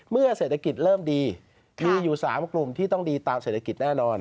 เมื่อเศรษฐกิจเริ่มดีมีอยู่๓กลุ่มที่ต้องดีตามเศรษฐกิจแน่นอน